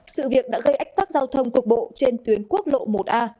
sự việc đã gây ách tắc giao thông cục bộ trên tuyến quốc lộ một a